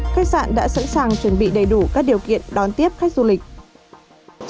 khách sạn đã sẵn sàng chuẩn bị đầy đủ các điều kiện đón tiếp khách du lịch